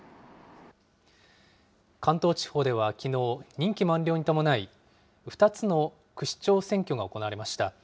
関東地方ではきのう、任期満了に伴い、２つの区市長選挙が行われました。